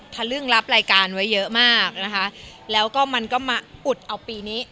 ทะลึ่งรับรายการไว้เยอะมากนะคะแล้วก็มันก็มาอุดเอาปีนี้